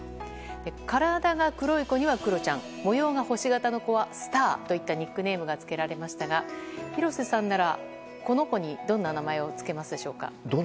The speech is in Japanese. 体が黒い子には、クロちゃん模様が星形の子はスターといったニックネームがつけられましたが廣瀬さんなら、この子にどんな名前をつけますか？